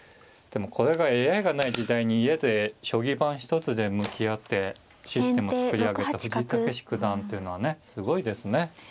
でもこれがＡＩがない時代に家で将棋盤一つで向き合ってシステムを作り上げた藤井猛九段っていうのはねすごいですね。